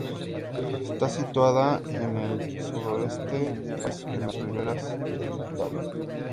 Está situada en el sudoeste del país, en las riberas del Daule.